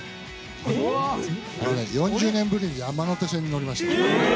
４０年ぶりに山手線に乗りました。